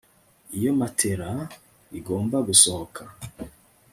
Iyo matelas igomba gusohoka